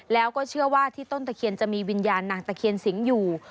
แล้วก็เชื่อว่าที่ต้นตะเคียนจะมีวิญญาณนางตะเคียนสิงห์อยู่